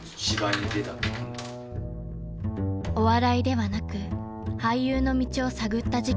［お笑いではなく俳優の道を探った時期も］